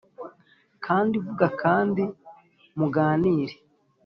kandi vuga kandi muganire!